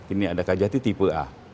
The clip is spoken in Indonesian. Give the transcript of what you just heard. ini ada kajati tipe a